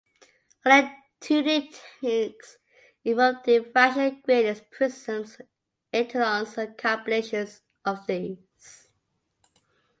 Other tuning techniques involve diffraction gratings, prisms, etalons, and combinations of these.